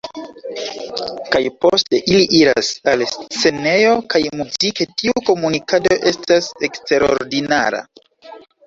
Kaj poste ili iras al scenejo kaj muzike tiu komunikado estas eksterordinara"".